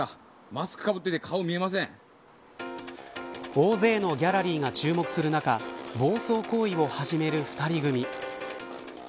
大勢のギャラリーが注目する中暴走行為を始める２人組。